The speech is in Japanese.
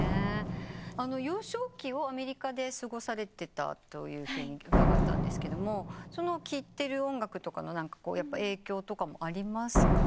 幼少期をアメリカで過ごされてたと伺ったんですが聴いてる音楽の影響とかもありますか？